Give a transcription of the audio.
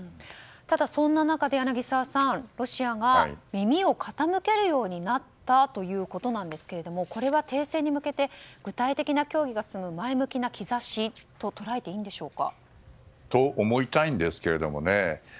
ただ、そんな中で柳澤さんロシアが耳を傾けるようになったということですけれどもこれは停戦に向けて具体的な協議が進む前向きな兆しと捉えていいのでしょうか。と思いたいんですけどね。